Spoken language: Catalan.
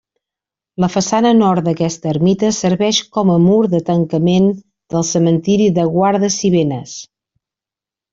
La façana nord d'aquesta ermita serveix com a mur de tancament del cementiri de Guarda-si-venes.